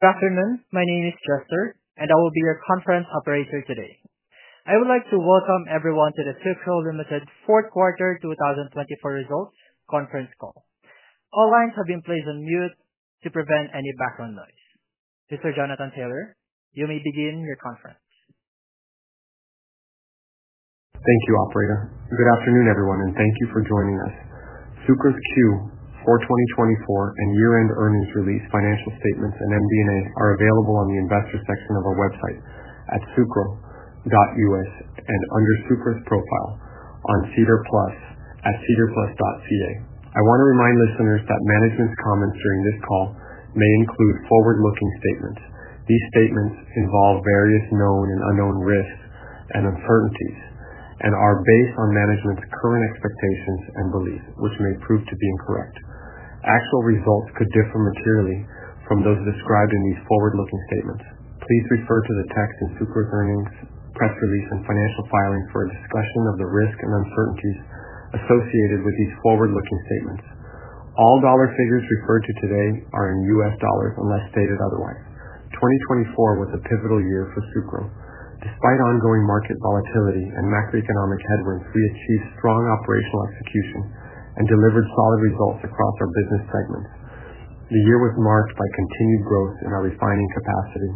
Good afternoon. My name is Chester, and I will be your conference operator today. I would like to welcome everyone to the Sucro Limited Fourth Quarter 2024 Results Conference Call. All lines have been placed on mute to prevent any background noise. Mr. Jonathan Taylor, you may begin your conference. Thank you, Operator. Good afternoon, everyone, and thank you for joining us. Sucro's Q4 2024 and year-end earnings release, financial statements, and MD&A are available on the investor section of our website at sucro.us and under Sucro's profile on SEDAR+ at sedarplus.ca. I want to remind listeners that management's comments during this call may include forward-looking statements. These statements involve various known and unknown risks and uncertainties and are based on management's current expectations and beliefs, which may prove to be incorrect. Actual results could differ materially from those described in these forward-looking statements. Please refer to the text in Sucro's earnings, press release, and financial filings for a discussion of the risks and uncertainties associated with these forward-looking statements. All dollar figures referred to today are in US dollars unless stated otherwise. 2024 was a pivotal year for Sucro. Despite ongoing market volatility and macroeconomic headwinds, we achieved strong operational execution and delivered solid results across our business segments. The year was marked by continued growth in our refining capacity,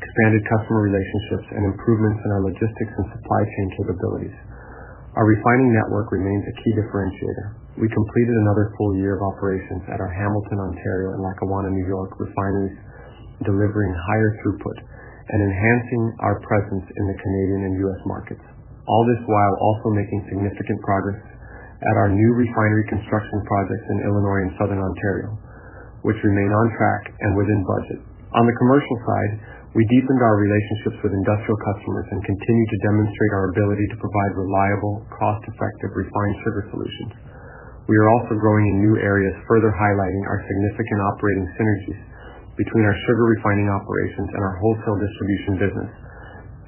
expanded customer relationships, and improvements in our logistics and supply chain capabilities. Our refining network remains a key differentiator. We completed another full year of operations at our Hamilton, Ontario, and Lackawanna, New York refineries, delivering higher throughput and enhancing our presence in the Canadian and US markets. All this while also making significant progress at our new refinery construction projects in Illinois and southern Ontario, which remain on track and within budget. On the commercial side, we deepened our relationships with industrial customers and continue to demonstrate our ability to provide reliable, cost-effective refined sugar solutions. We are also growing in new areas, further highlighting our significant operating synergies between our sugar refining operations and our wholesale distribution business.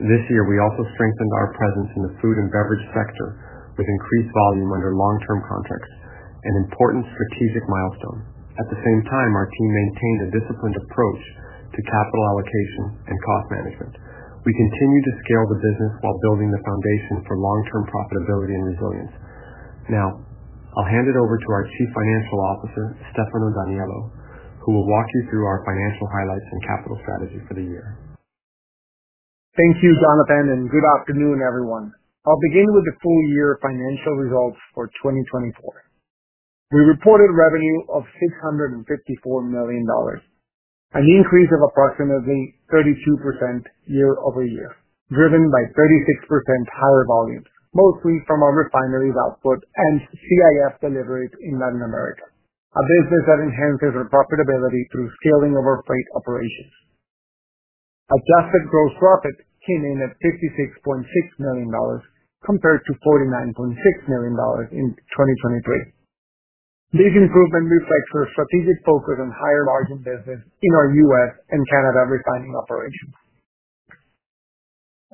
This year, we also strengthened our presence in the food and beverage sector with increased volume under long-term contracts, an important strategic milestone. At the same time, our team maintained a disciplined approach to capital allocation and cost management. We continue to scale the business while building the foundation for long-term profitability and resilience. Now, I'll hand it over to our Chief Financial Officer, Stefano D'Aniello, who will walk you through our financial highlights and capital strategy for the year. Thank you, Jonathan, and good afternoon, everyone. I'll begin with the full year financial results for 2024. We reported revenue of $654 million, an increase of approximately 32% year over year, driven by 36% higher volumes, mostly from our refineries' output and CIF deliveries in Latin America, a business that enhances our profitability through scaling of our freight operations. Adjusted Gross Profit came in at $56.6 million compared to $49.6 million in 2023. This improvement reflects our strategic focus on higher margin business in our US and Canada refining operations.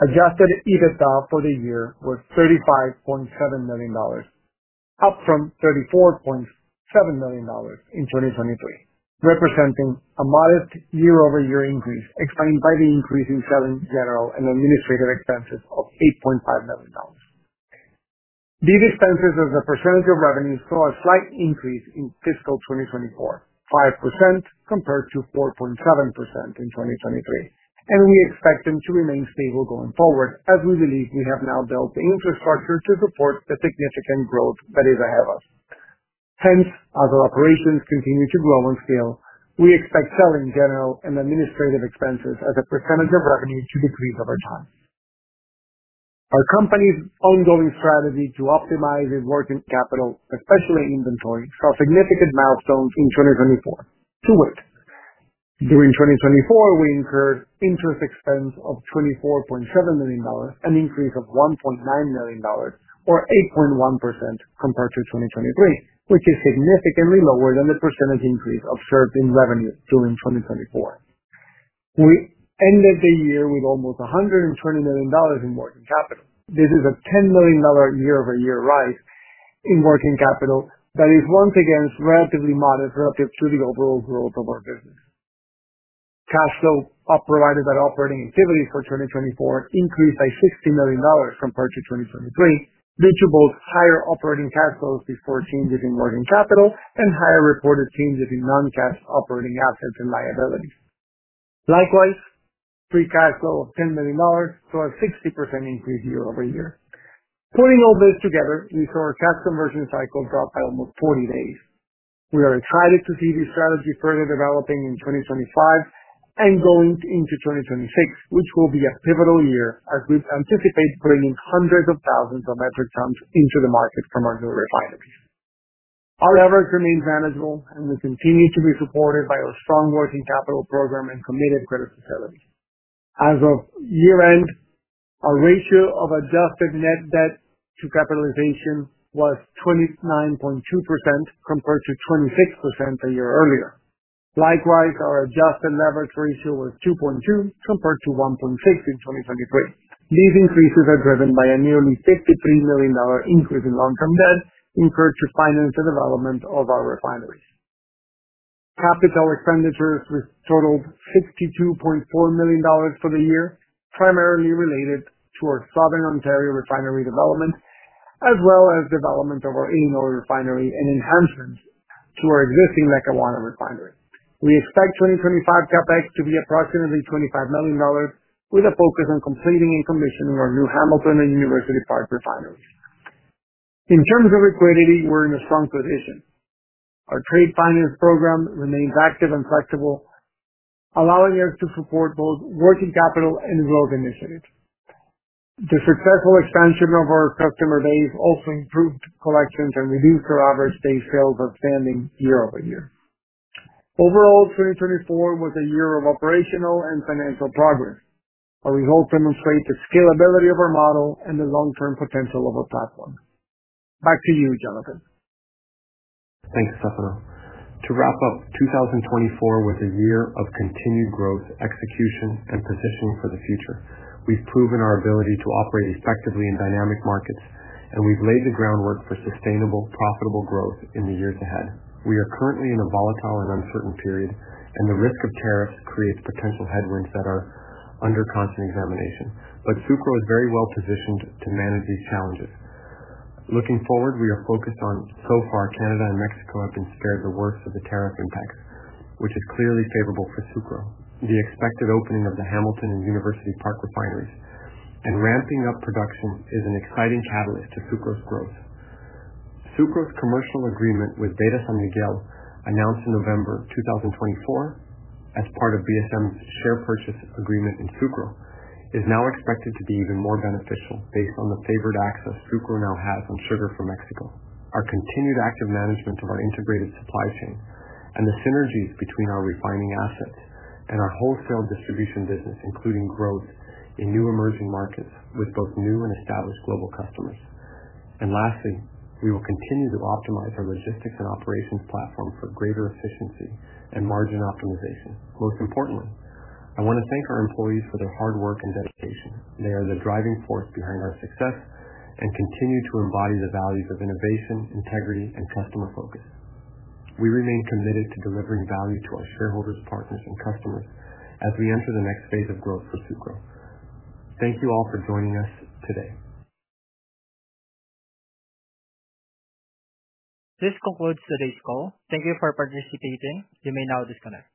Adjusted EBITDA for the year was $35.7 million, up from $34.7 million in 2023, representing a modest year-over-year increase explained by the increase in selling, general and administrative expenses of $8.5 million. These expenses, as a percentage of revenue, saw a slight increase in fiscal 2024, 5% compared to 4.7% in 2023, and we expect them to remain stable going forward as we believe we have now built the infrastructure to support the significant growth that is ahead of us. Hence, as our operations continue to grow in scale, we expect selling, general, and administrative expenses as a percentage of revenue to decrease over time. Our company's ongoing strategy to optimize its working capital, especially inventory, saw significant milestones in 2024. To wit. During 2024, we incurred interest expense of $24.7 million, an increase of $1.9 million, or 8.1% compared to 2023, which is significantly lower than the percentage increase observed in revenue during 2024. We ended the year with almost $120 million in working capital. This is a $10 million year-over-year rise in working capital that is once again relatively modest relative to the overall growth of our business. Cash flow provided by operating activities for 2024 increased by $60 million compared to 2023, due to both higher operating cash flows before changes in working capital and higher reported changes in non-cash operating assets and liabilities. Likewise, free cash flow of $10 million saw a 60% increase year over year. Putting all this together, we saw our cash conversion cycle drop by almost 40 days. We are excited to see this strategy further developing in 2025 and going into 2026, which will be a pivotal year as we anticipate bringing hundreds of thousands of metric tons into the market from our new refineries. Our efforts remain manageable, and we continue to be supported by our strong working capital program and committed credit facilities. As of year-end, our ratio of Adjusted Net Debt to capitalization was 29.2% compared to 26% a year earlier. Likewise, our Adjusted Leverage Ratio was 2.2 compared to 1.6 in 2023. These increases are driven by a nearly $53 million increase in long-term debt incurred to finance the development of our refineries. Capital expenditures totaled $62.4 million for the year, primarily related to our Southern Ontario refinery development, as well as development of our Illinois refinery and enhancements to our existing Lackawanna refinery. We expect 2025 CapEx to be approximately $25 million, with a focus on completing and commissioning our new Hamilton and University Park refineries. In terms of liquidity, we're in a strong position. Our trade finance program remains active and flexible, allowing us to support both working capital and growth initiatives. The successful expansion of our customer base also improved collections and reduced our average Day Sales Outstanding year over year. Overall, 2024 was a year of operational and financial progress. Our results demonstrate the scalability of our model and the long-term potential of our platform. Back to you, Jonathan. Thank you, Stefano. To wrap up 2024 with a year of continued growth, execution, and positioning for the future, we've proven our ability to operate effectively in dynamic markets, and we've laid the groundwork for sustainable, profitable growth in the years ahead. We are currently in a volatile and uncertain period, and the risk of tariffs creates potential headwinds that are under constant examination, but Sucro is very well positioned to manage these challenges. Looking forward, we are focused on. So far, Canada and Mexico have been spared the worst of the tariff impacts, which is clearly favorable for Sucro. The expected opening of the Hamilton and University Park refineries and ramping up production is an exciting catalyst to Sucro's growth. Sucro's commercial agreement with Beta San Miguel, announced in November 2024 as part of BSM's share purchase agreement in Sucro, is now expected to be even more beneficial based on the favored access Sucro now has on sugar from Mexico, our continued active management of our integrated supply chain, and the synergies between our refining assets and our wholesale distribution business, including growth in new emerging markets with both new and established global customers. We will continue to optimize our logistics and operations platform for greater efficiency and margin optimization. Most importantly, I want to thank our employees for their hard work and dedication. They are the driving force behind our success and continue to embody the values of innovation, integrity, and customer focus. We remain committed to delivering value to our shareholders, partners, and customers as we enter the next phase of growth for Sucro. Thank you all for joining us today. This concludes today's call. Thank you for participating. You may now disconnect.